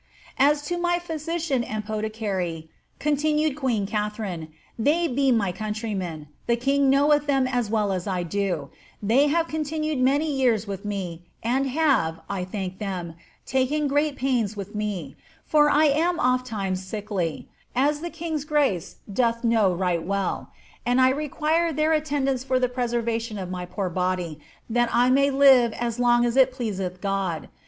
"* ^As to my physician and foteeary^ continued queen Katharine, ^ they be my countrymen; the king knoweth them as well as I da They have continued many years with me, and have (I thank them) taken great pains with me ; for I am of\ times sickly, as the king's grace doth know right well. And I require their attendance for the preserva tion of my poor bodie, that I may live as long as it pleaseth God.